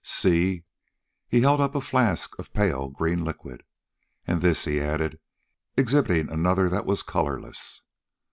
"See?" He held up a flask of pale green liquid. "And this," he added, exhibiting another that was colorless.